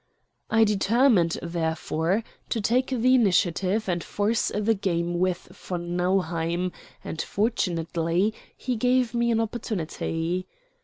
I determined, therefore, to take the initiative and force the game with von Nauheim; and, fortunately, he gave me an opportunity.